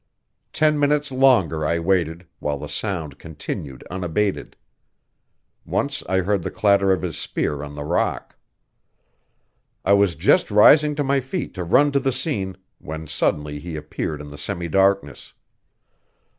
Ten minutes longer I waited, while the sound continued unabated. Once I heard the clatter of his spear on the rock. I was just rising to my feet to run to the scene when suddenly he appeared in the semidarkness.